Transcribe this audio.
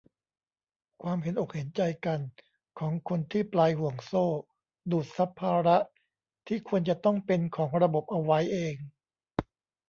ความเห็นอกเห็นใจกันของคนที่ปลายห่วงโซ่ ดูดซับภาระที่ควรจะต้องเป็นของระบบเอาไว้เอง